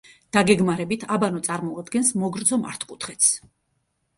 დაგეგმარებით აბანო წარმოადგენს მოგრძო მართკუთხედს.